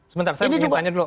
sebentar saya ingin tanya dulu